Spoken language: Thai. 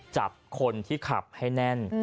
จับคนที่ขับให้แน่น